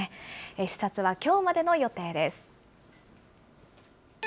視察はきょうまでの予定です。